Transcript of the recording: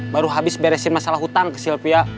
baru habis beresin masalah hutang ke sylvia